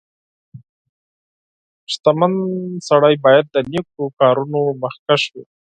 • شتمن سړی باید د نیکو کارونو مخکښ وي.